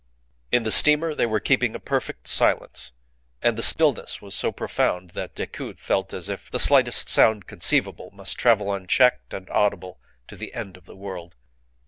In the steamer they were keeping a perfect silence, and the stillness was so profound that Decoud felt as if the slightest sound conceivable must travel unchecked and audible to the end of the world.